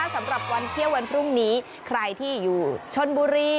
สำหรับวันเที่ยววันพรุ่งนี้ใครที่อยู่ชนบุรี